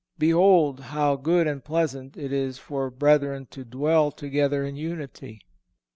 "Behold how good and pleasant it is for brethren to dwell together in unity."